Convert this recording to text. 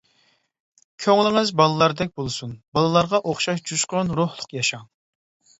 كۆڭلىڭىز بالىلاردەك بولسۇن، بالىلارغا ئوخشاش جۇشقۇن، روھلۇق ياشاڭ.